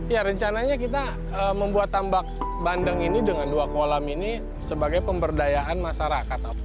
ya rencananya kita membuat tambak bandeng ini dengan dua kolam ini sebagai pemberdayaan masyarakat